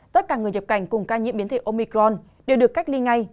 tất cả người nhập cảnh cùng ca nhiễm biến thể omicron đều được cách ly ngay